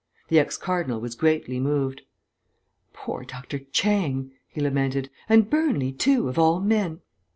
The ex cardinal was greatly moved. "Poor Dr. Chang," he lamented, "and Burnley too, of all men!